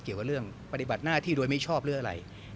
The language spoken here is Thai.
เกี่ยวกับเรื่องปฏิบัติหน้าที่โดยไม่ชอบหรืออะไร